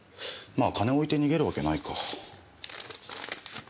まあ金置いて逃げるわけないか。